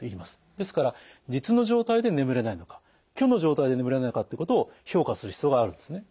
ですから実の状態で眠れないのか虚の状態で眠れないのかということを評価する必要があるんですね。